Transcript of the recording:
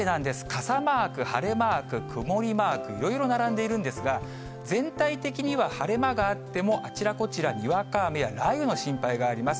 傘マーク、晴れマーク、曇りマーク、いろいろ並んでいるんですが、全体的には晴れ間があっても、あちらこちら、にわか雨や雷雨の心配があります。